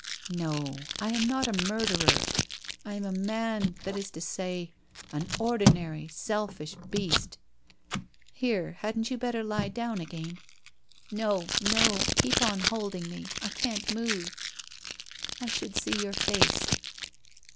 ' Xo, I am not a murderer, T am a man, that is to say, an ordinary, selfish beast. ... Here, hadn't you bet ter Lie down again ?' 348 WHITE ROSE OF WEARY LEAF ' No, no, keep on holding me. I can't move. ... I should see your face.'